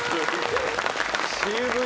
渋い！